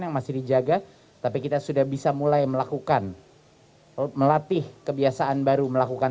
yang masih dijaga tapi kita sudah bisa mulai melakukan melatih kebiasaan baru melakukan